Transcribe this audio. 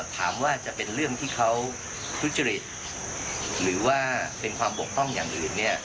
ถามว่าจะเป็นเรื่องที่เขาทุจริตหรือว่าเป็นความบกพร่องอย่างอื่นเนี่ย